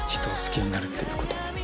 人を好きになるっていうことを。